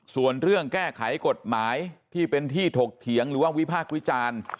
ส่วนเรื่องแก้ไขกฎหมายที่เป็นที่ถกเถียงหรือว่าวิพากษ์วิจารณ์